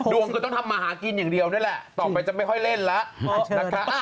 ก็ต้องทำมาหากินอย่างเดียวนี่แหละต่อไปจะไม่ค่อยเล่นแล้วนะคะ